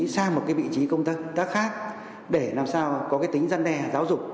sang một vị trí công tác khác để làm sao có tính dân đe giáo dục